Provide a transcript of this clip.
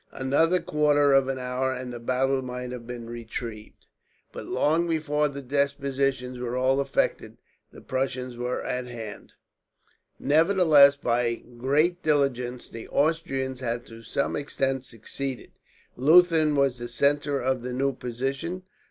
Another quarter of an hour and the battle might have been retrieved; but long before the dispositions were all effected, the Prussians were at hand. [Map: Battle of Leuthen] Nevertheless, by great diligence the Austrians had to some extent succeeded. Leuthen was the centre of the new position.